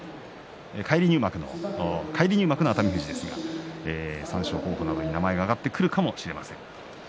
返り入幕の熱海富士ですが三賞候補などに名前が挙がってくるかもしれません。